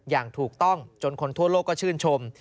อย่างถูกต้องจนคนทั่วโลกก็ชื่นชม